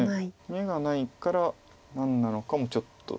眼がないから何なのかもちょっと。